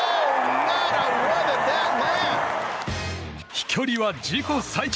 飛距離は自己最長。